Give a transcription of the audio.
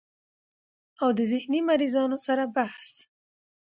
او د ذهني مريضانو سره بحث